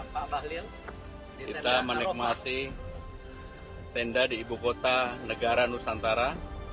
kita menikmati tenda di ibu kota negara nusantara